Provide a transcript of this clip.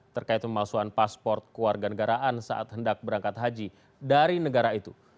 terkait pemasuhan pasport ke warga negaraan saat hendak berangkat haji dari negara itu